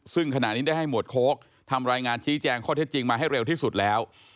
ซึ่งขณะนี้ได้ให้หมวดโค้กทำรายงานชี้แจงข้อเท็จจริงมาให้เร็วที่สุดแล้ว